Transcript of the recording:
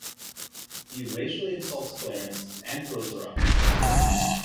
He racially insults Clarence and throws her out.